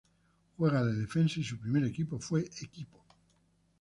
Juega de defensa y su primer equipo fue Equipo.